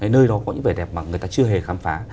nơi đó có những vẻ đẹp mà người ta chưa hề khám phá